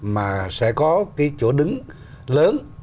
mà sẽ có cái chỗ đứng lớn